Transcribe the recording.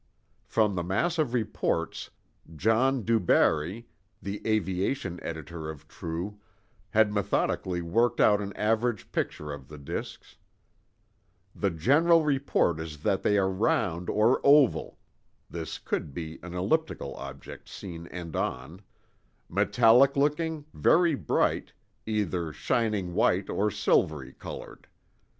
From the mass of reports, John DuBarry, the aviation editor of True, had methodically worked out an average picture of the disks: "The general report is that they are round or oval (this could be an elliptical object seen end on), metallic looking, very bright—either shining white or silvery colored.